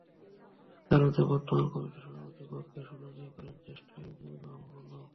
আদালতে বর্তমান কমিটির সভাপতির পক্ষে শুনানি করেন জ্যেষ্ঠ আইনজীবী মাহবুবে আলম।